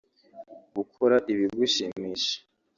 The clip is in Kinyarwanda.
Gukora ibigushimisha